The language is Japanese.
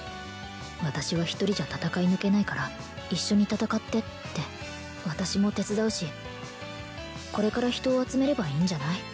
私は１人じゃ戦い抜けないから一緒に戦ってって私も手伝うしこれから人を集めればいいんじゃない？